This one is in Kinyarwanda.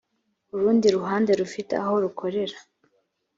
urundi ruhande rufite aho rukorera